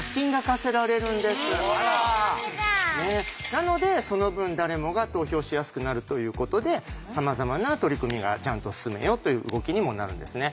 なのでその分誰もが投票しやすくなるということでさまざまな取り組みがちゃんと進めようという動きにもなるんですね。